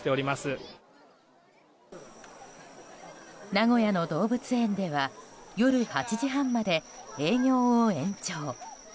名古屋の動物園では夜８時半まで営業を延長。